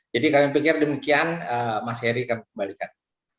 jadi kami pikir demikian mas heri akan kembalikan